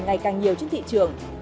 ngày càng nhiều trên thị trường